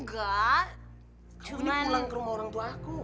kamu dipulang ke rumah orang tua aku